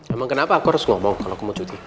emang kenapa aku harus ngomong kalau aku mau cuti